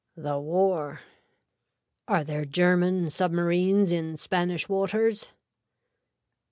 (The War.) Are there German submarines in Spanish waters.